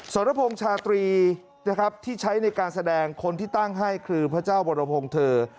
สรพงษ์ชาตรีนะครับที่ใช้ในการแสดงคนที่ตั้งให้คือพระเจ้าวรพงศ์เธอ